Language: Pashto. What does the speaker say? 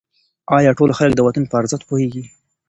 آیا ټول خلک د وطن په ارزښت پوهېږي؟